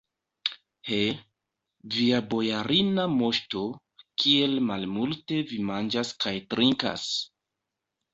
He, via bojarina moŝto, kiel malmulte vi manĝas kaj trinkas!